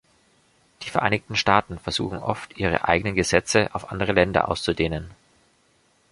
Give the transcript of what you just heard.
Die Vereinigten Staaten versuchen oft, ihre eigenen Gesetze auf andere Länder auszudehnen.